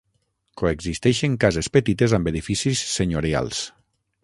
Coexisteixen cases petites amb edificis senyorials.